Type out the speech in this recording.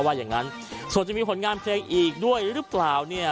ว่าอย่างนั้นส่วนจะมีผลงานเพลงอีกด้วยหรือเปล่าเนี่ย